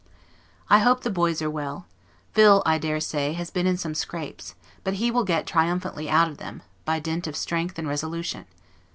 I hope the boys are well. Phil, I dare say, has been in some scrapes; but he will get triumphantly out of them, by dint of strength and resolution.